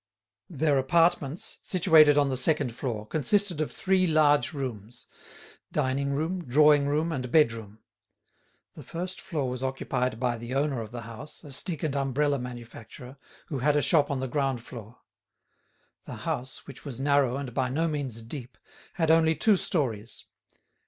Their apartments, situated on the second floor, consisted of three large rooms—dining room, drawing room, and bedroom. The first floor was occupied by the owner of the house, a stick and umbrella manufacturer, who had a shop on the ground floor. The house, which was narrow and by no means deep, had only two storeys.